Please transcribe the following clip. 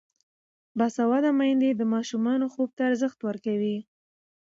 باسواده میندې د ماشومانو خوب ته ارزښت ورکوي.